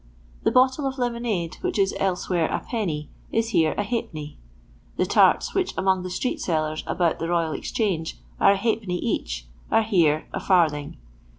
The bottle of lemonade which is elsewhere a penny is here a halfpenny. The tarts, which among the street sellers about the Eoyal Exchange are a halfpenny each, nre here a farthing.